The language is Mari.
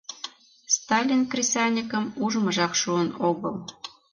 Сталин кресаньыкым ужмыжак шуын огыл...